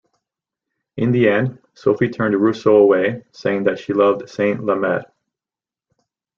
In the end, Sophie turned Rousseau away, saying that she loved Saint-Lambert.